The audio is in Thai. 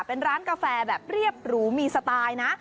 เป็นร้านกาแฟแบบเรียบหรูมีสไตล์นะ